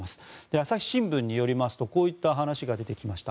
朝日新聞によりますとこういった話が出てきました。